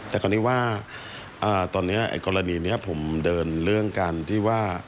แต่คราวนี้ว่าตอนนี้กรณีนี้ผมเดินเรื่องการที่ว่า